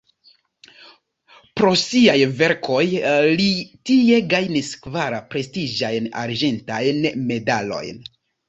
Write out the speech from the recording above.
Pro siaj verkoj li tie gajnis kvar prestiĝajn arĝentajn medalojn.